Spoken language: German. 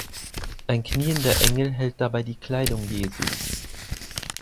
Ein kniender Engel hält dabei die Kleidung Jesu.